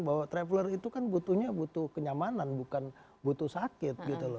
bahwa traveler itu kan butuhnya butuh kenyamanan bukan butuh sakit gitu loh